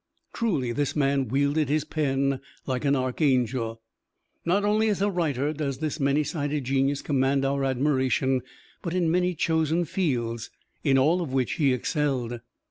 Truly, this man wielded his pen like an archangel. Not only as a writer does this many sided genius command our admiration, but in many chosen fields, in all of which he excelled.